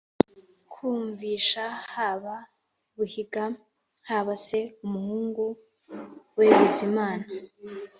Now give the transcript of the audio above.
Kumvisha haba buhiga haba se umuhungu we bizimana